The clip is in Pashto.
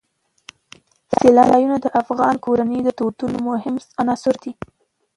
سیلانی ځایونه د افغان کورنیو د دودونو مهم عنصر دی.